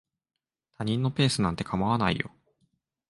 他人のペースなんて構わないよ。